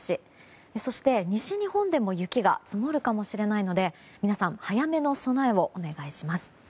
そして、西日本でも雪が積もるかもしれないので皆さん、早めの備えをお願いします。